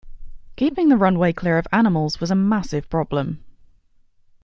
Keeping the runway clear of animals was a massive problem.